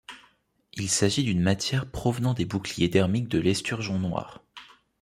Il s'agit d'une matière provenant des boucliers dermiques de l'esturgeon noir.